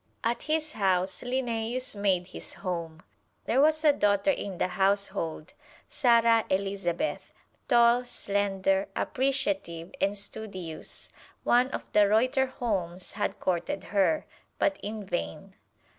At his house Linnæus made his home. There was a daughter in the household, Sara Elizabeth, tall, slender, appreciative and studious. One of the Reuterholms had courted her, but in vain.